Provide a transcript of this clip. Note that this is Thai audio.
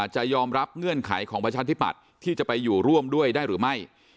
จะยอมรับเงื่อนไขของประชาธิปัตย์ที่จะไปอยู่ร่วมด้วยได้หรือไม่